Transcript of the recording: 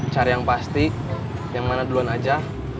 cari yang pasti yang mana duluan aja